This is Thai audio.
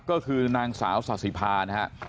ก็คือนางสาวสาธิพานะครับ